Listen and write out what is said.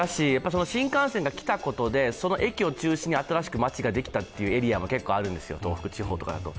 新幹線が来たことでその駅を中心に新しく街ができたというエリアも結構あるんですよ、東北地方だと。